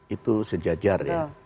itu sejajar ya